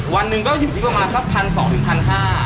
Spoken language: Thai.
วันนึงก็อยู่ที่ประมาณ๑๐๐๐๒๕๐๐โยน